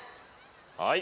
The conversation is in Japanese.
はい。